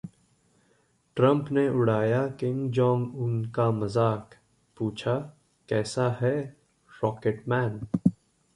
Trump ने उड़ाया Kim Jong Un का मजाक, पूछा- कैसा है 'रॉकेट मैन'?